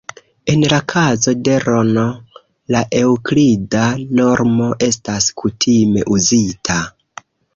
En la kazo de Rn, la Eŭklida normo estas kutime uzita.